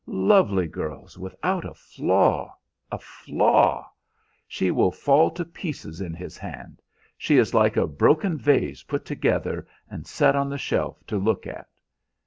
Lovely girls, without a flaw a flaw! She will fall to pieces in his hand. She is like a broken vase put together and set on the shelf to look at."